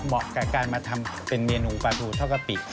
กับการมาทำเป็นเมนูปลาทูเท่ากะปิ